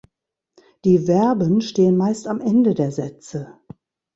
Die Verben stehen meist am Ende der Sätze.